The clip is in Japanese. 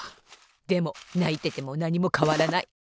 でもないててもなにもかわらない！